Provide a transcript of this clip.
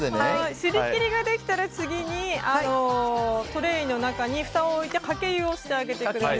すり切りができたら次は、トレーの中にふたを置いてかけ湯をしてください。